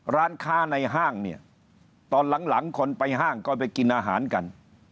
ร้านค้าในห้างเนี่ยตอนหลังคนไปห้างก็ไปกินอาหารกัน